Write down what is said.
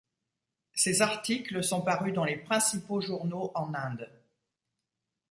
Ses articles sont parus dans les principaux journaux en Inde.